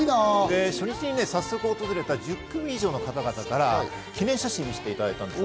初日に早速訪れた１０組以上の方々から記念写真を見せていただいたんです。